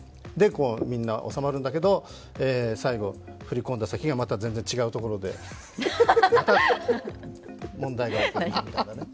みんな収まるんだけれども最後振り込んだ先がまた全然違うところでまた問題が起きるとかね。